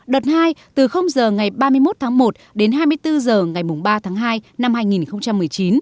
đợt hai từ h ngày ba mươi một tháng một đến hai mươi bốn h ngày ba tháng hai năm hai nghìn một mươi chín